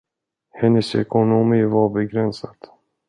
Hennes ekonomi var begränsad.